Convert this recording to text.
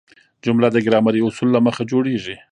جمله د ګرامري اصولو له مخه جوړیږي.